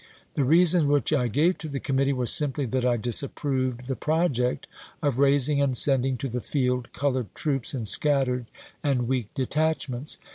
The reasons which I gave to the committee were simply that I disapproved the project of raising and sending to the field colored troops in scattered and weak detach ments.